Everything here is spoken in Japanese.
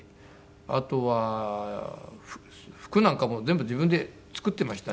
あとは服なんかも全部自分で作ってましたね。